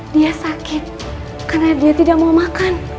dia sakit karena dia tidak mau makan